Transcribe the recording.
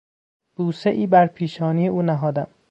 بوسهای بر پیشانی او نهادم.